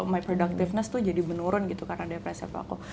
my productiveness tuh jadi menurun karena depressive aku